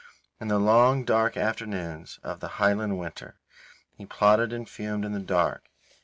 In the long, dark afternoons of the Highland winter, he plotted and fumed in the dark.